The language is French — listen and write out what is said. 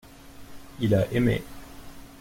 Il a aimé.